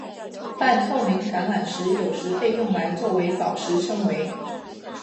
半透明橄榄石有时被用来作为宝石称为。